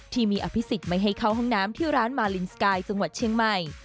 ที่มีอภิษฎไม่ให้เข้าห้องน้ำที่ร้านมาลินสกายจังหวัดเชียงใหม่